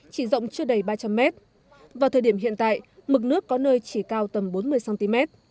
chỉ rộng chưa đầy ba trăm linh m vào thời điểm hiện tại mực nước có nơi chỉ cao tầm bốn mươi cm